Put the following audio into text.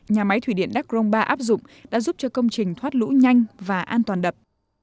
nhà máy thủy điện đắc rông ba áp dụng đã giúp cho công trình thoát lũ nhanh và an toàn đập